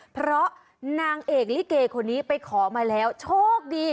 เพราะนางเอกลิเกคนนี้ไปขอมาแล้วโชคดี